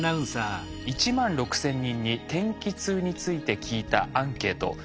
１万６，０００人に天気痛について聞いたアンケート。